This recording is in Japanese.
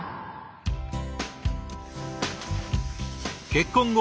結婚後